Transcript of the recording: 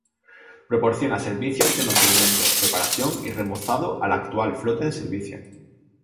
Proporciona servicios de mantenimiento, reparación y remozado a la actual flota en servicio.